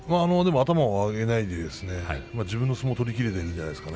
頭を上げないで自分の相撲が取りきれているんじゃないですか。